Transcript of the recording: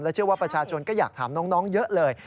เชื่อว่าประชาชนก็อยากถามน้องเยอะเลย